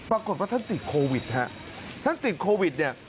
ปรากฏว่าท่านติดโควิดฮะท่านติดโควิดเนี่ย